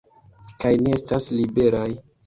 Kaj ni estas liberaj!